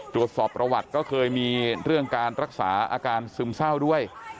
ตรวจสอบประวัติก็เคยมีเรื่องการรักษาอาการซึมเศร้าด้วย